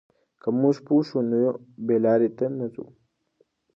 که موږ پوه شو، نو بې لارۍ ته نه ځو.